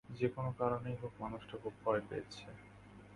যে-কোনো কারণেই হোক মানুষটা খুব ভয় পেয়েছে।